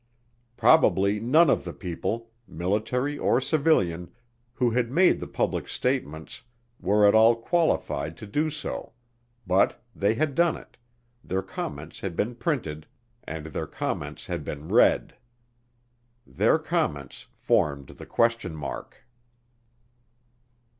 Probably none of the people, military or civilian, who had made the public statements were at all qualified to do so but they had done it, their comments had been printed, and their comments had been read. Their comments formed the question mark.